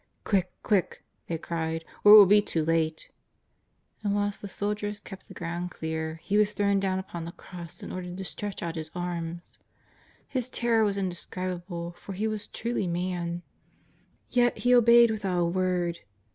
^' Quick, quick," they cried, " or it will be too late !" And whilst the soldiers kept the ground clear, He was thrown down upon the cross and ordered to stretch out His arms. His terror was indescribable, for He was truly man. Yet He obeyed without a word.